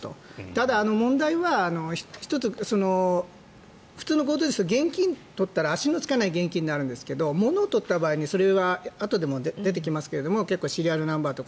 ただ、問題は普通の強盗ですと現金を取ったら足のつかない現金になるんですが物を取った場合にそれはあとでも出てきますがシリアルナンバーとか。